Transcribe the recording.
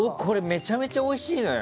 めちゃめちゃおいしいのよ